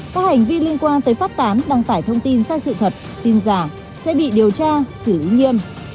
các hành vi liên quan tới phát tán đăng tải thông tin sai sự thật tin giả sẽ bị điều tra xử lý nghiêm